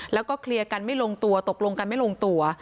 แล้วก็เคลียร์กันไม่ลงตัวตกลงกันไม่ลงตัว